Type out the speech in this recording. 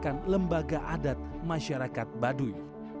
dan menemakan lembaga adat masyarakat baduy